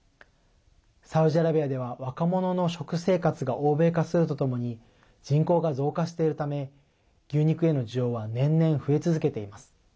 サウジアラビアでは若者の食生活が欧米化するとともに人口が増加しているため牛肉への需要は年々、増え続けています。